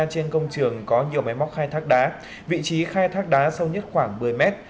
trên công trường có nhiều máy móc khai thác đá vị trí khai thác đá sâu nhất khoảng một mươi mét